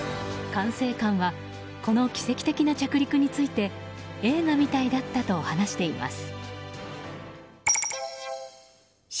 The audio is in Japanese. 管制官はこの奇跡的な着陸について映画みたいだったと話しています。